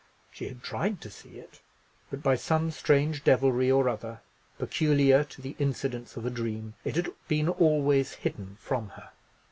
She had tried to see it; but by some strange devilry or other, peculiar to the incidents of a dream, it had been always hidden from her.